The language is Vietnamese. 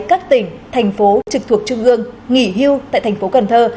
các tỉnh thành phố trực thuộc trung ương nghỉ hưu tại thành phố cần thơ